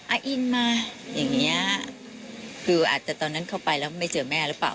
อินมาอย่างเงี้ยคืออาจจะตอนนั้นเข้าไปแล้วไม่เจอแม่หรือเปล่า